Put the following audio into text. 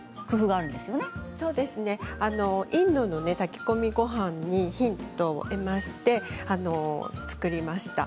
インドの炊き込みごはんにヒントを得まして作りました。